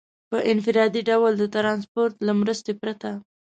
په انفرادي ډول د ټرانسپورټ له مرستې پرته.